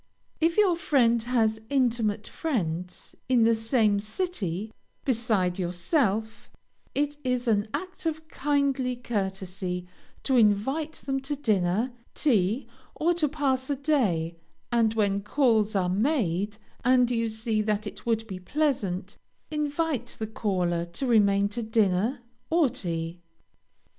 If your friend has intimate friends in the same city, beside yourself, it is an act of kindly courtesy to invite them to dinner, tea, or to pass a day, and when calls are made, and you see that it would be pleasant, invite the caller to remain to dinner or tea.